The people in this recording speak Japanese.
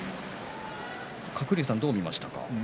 鶴竜さん、どう見ましたか？